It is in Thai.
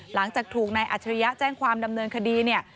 หลังจากถูกนายอัจฉริยะแจ้งความดำเนินคดีเนี่ย